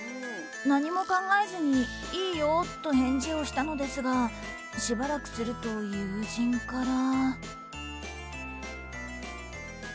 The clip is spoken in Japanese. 何も考えずにいいよと返事をしたのですがしばらくすると友人から。